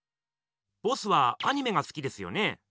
ボスはアニメがすきですよね？